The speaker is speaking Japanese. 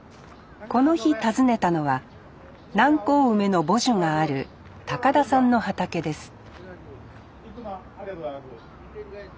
この日訪ねたのは南高梅の母樹がある田さんの畑です